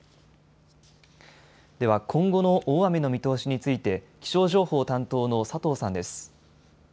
では今後の大雨の見通しについて気象情報担当の佐藤さんです。